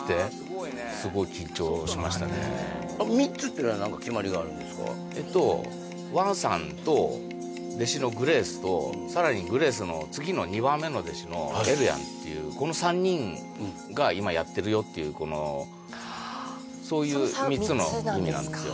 もうんだけどなるほどそんないやもうなのでワンさんと弟子のグレースとさらにグレースの次の２番目の弟子のエルヤンっていうこの３人が今やってるよっていうこのそういう３つの意味なんですよ